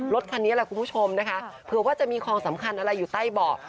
รถคันนี้แหละคุณผู้ชมนะคะเผื่อว่าจะมีความสำคัญอะไรอยู่ใต้เบาะ